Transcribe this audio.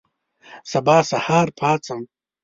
سبا سهار پاڅم